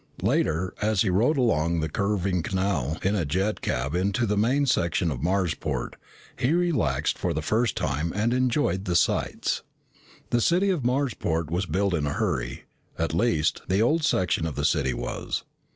Later, as he rode along the curving canal in a jet cab into the main section of Marsport, he relaxed for the first time and enjoyed the sights. The city of Marsport was built in a hurry at least, the old section of the city was.